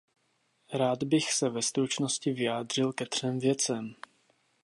Rád bych se ve stručnosti vyjádřil ke třem věcem.